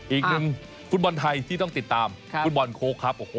อีกหนึ่งฟุตบอลไทยที่ต้องติดตามครับฟุตบอลโคคลับโอ้โห